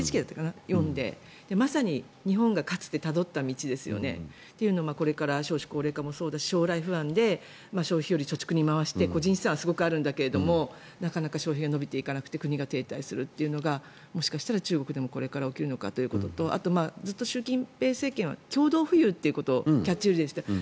それを読んでまさに日本がかつてたどった道ですよね。というのはこれから少子高齢化もそうだし将来不安で消費より貯蓄に回して個人資産はすごくあるんだけどなかなか消費が伸びていかなくて国が停滞するというのがもしかしたら中国でもこれから起きるのかということとあとずっと習近平政権は共同富裕ということをキャッチフレーズにしていた。